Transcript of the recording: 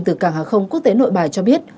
từ cảng hàng không quốc tế nội bài cho biết